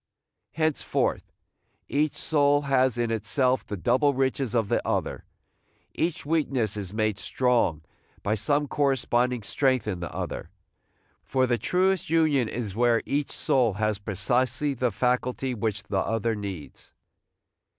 Henceforth each soul has in itself the double riches of the other. Each weakness is made strong by some corresponding strength in the other; for the truest union is where each soul has precisely the faculty which the other needs.